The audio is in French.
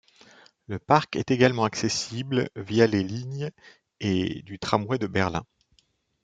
Le parc est également accessible via les lignes et du tramway de Berlin.